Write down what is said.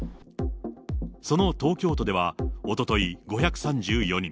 その東京都では、おととい、５３４人。